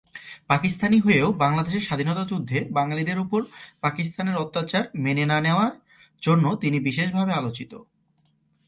পাকিস্তানি হয়েও বাংলাদেশের স্বাধীনতা যুদ্ধে বাঙালিদের ওপর পাকিস্তানের অত্যাচার মেনে না নেওয়ার জন্য তিনি বিশেষভাবে আলোচিত।